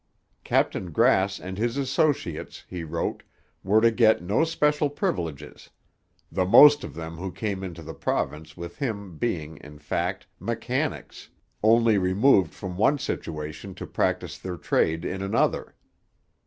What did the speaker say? Captain Grass and his associates, he wrote, were to get no special privileges, 'the most of them who came into the province with him being, in fact, mechanics, only removed from one situation to practise their trade in another.